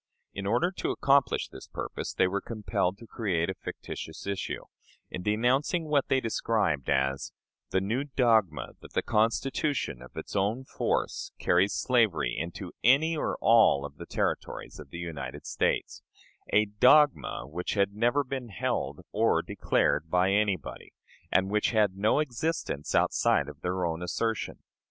In order to accomplish this purpose, they were compelled to create a fictitious issue, in denouncing what they described as "the new dogma that the Constitution, of its own force, carries slavery into any or all of the Territories of the United States" a "dogma" which had never been held or declared by anybody, and which had no existence outside of their own assertion.